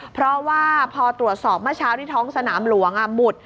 เพราะว่าพอตรวจสอบเมื่อเช้าที่ท้องสนามหลวงหมุด